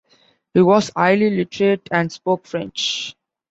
He was highly literate, and spoke French.